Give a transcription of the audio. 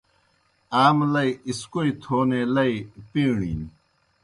آ مُلَئی اِسکوئی تھونے لئی پیݨِیْن۔